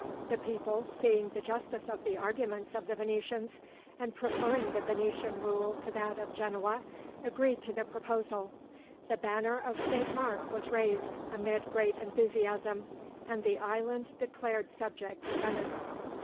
The people, seeing the justice of the arguments of the Venetians, and preferring the Venetian rule to that of Genoa, agreed to the proposal. The banner of St. Mark was raised amid great enthusiasm, and the island declared subject to Venice.